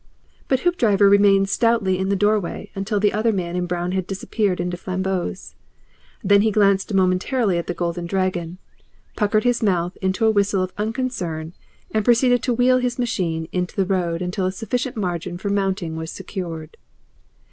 But Hoopdriver remained stoutly in the doorway until the other man in brown had disappeared into Flambeau's. Then he glanced momentarily at the Golden Dragon, puckered his mouth into a whistle of unconcern, and proceeded to wheel his machine into the road until a sufficient margin for mounting was secured.